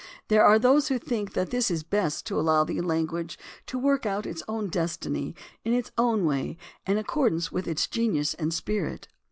There are those who think that it is best to allow the language to work out its destiny in its own way and in accord ance with its genius and spirit.